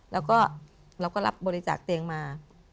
แล้วก็เราก็รับบริจาคเตียงมา